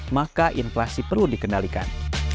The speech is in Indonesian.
maka inflasi perlu dikendalikan